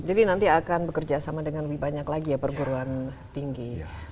jadi nanti akan bekerja sama dengan lebih banyak lagi ya perguruan tinggi